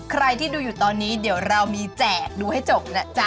ใครที่ดูอยู่ตอนนี้เดี๋ยวเรามีแจกดูให้จบนะจ๊ะ